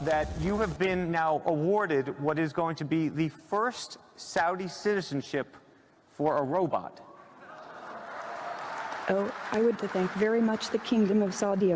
akhirnya saya punya kesempatan untuk naik ke panggung dan berinteraksi langsung dengan sofia